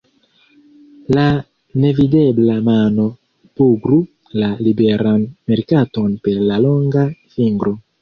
La Nevidebla Mano bugru la Liberan Merkaton per la longa fingro!